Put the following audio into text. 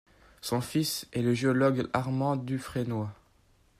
Son fils est le géologue Armand Dufrénoy.